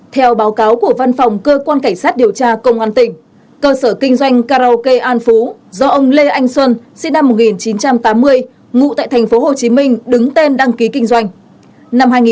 theo báo cáo của văn phòng cơ quan cảnh sát điều tra công an tỉnh cơ sở kinh doanh karaoke an phú do ông lê anh xuân sinh năm một nghìn chín trăm tám mươi ngụ tại tp hcm đứng tên đăng ký kinh doanh